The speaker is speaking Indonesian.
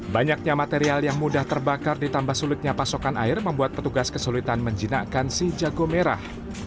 banyaknya material yang mudah terbakar ditambah sulitnya pasokan air membuat petugas kesulitan menjinakkan si jago merah